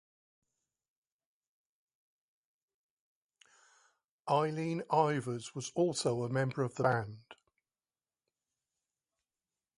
Eileen Ivers was also a member of the band.